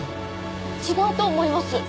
違うと思います。